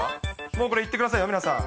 もうこれ言ってくださいよ、皆さん。